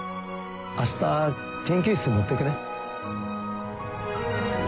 明日研究室に持って行くね。